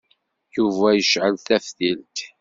Yuba yecɛel taftilt.